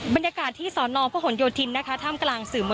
บรรยากาศที่สนพยศทินนะครับ